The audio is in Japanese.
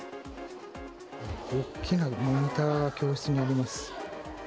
大きなモニターが教室にあります。